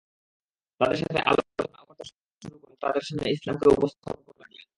তাদের সাথে আলোচনা ও কথাবার্তা শুরু করলেন এবং তাদের সামনে ইসলামকে উপস্থাপন করতে লাগলেন।